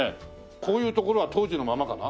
こういうところは当時のままかな？